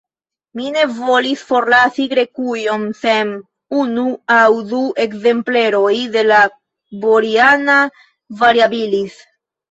Mi ne volis forlasi Grekujon sen unu aŭ du ekzempleroj de la _Boriana variabilis_.